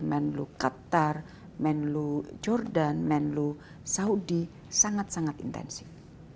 menlu qatar menlu jordan menlu saudi sangat sangat intensif